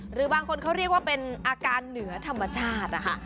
หรือบางคนเขาเรียกว่าเป็นอาการเหนือธรรมชาตินะคะ